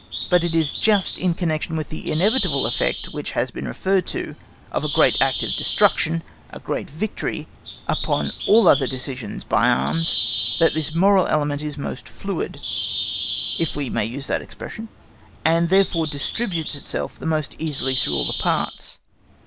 But it is just in connection with the inevitable effect which has been referred to, of a great act of destruction (a great victory) upon all other decisions by arms, that this moral element is most fluid, if we may use that expression, and therefore distributes itself the most easily through all the parts.